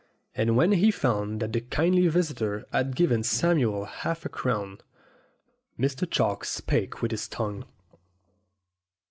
And when he found that the kindly visitor had given Samuel half a crown, Mr. Chalk spake with his tongue.